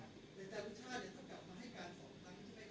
ห้าห้าครั้งในปี๖๒ครับ